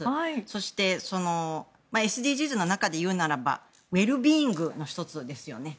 そしてＳＤＧｓの中で言うならばウェルビーイングの１つですよね。